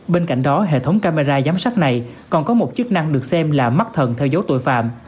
bên cạnh đó hệ thống camera giám sát này còn có một chức năng được xem là mắt thần theo dấu tội phạm